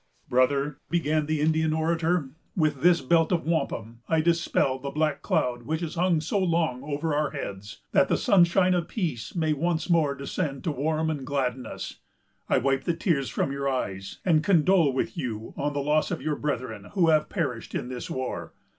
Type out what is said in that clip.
"Brother," began the Indian orator, "with this belt of wampum I dispel the black cloud that has hung so long over our heads, that the sunshine of peace may once more descend to warm and gladden us. I wipe the tears from your eyes, and condole with you on the loss of your brethren who have perished in this war.